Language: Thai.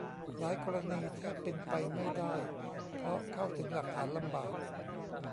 หลายกรณีแทบเป็นไปไม่ได้ เพราะเข้าถึงหลักฐานลำบาก